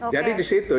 jadi di situ